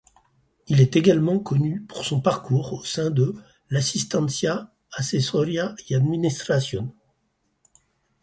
Il est également connu pour son parcours au sein de l'Asistencia Asesoría y Administración.